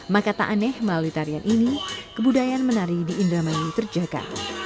maka tak aneh melalui tarian ini kebudayaan menari di indramayu terjaga